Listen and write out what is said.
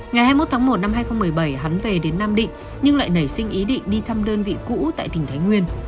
ngày hai mươi một tháng một năm hai nghìn một mươi bảy hắn về đến nam định nhưng lại nảy sinh ý định đi thăm đơn vị cũ tại tỉnh thái nguyên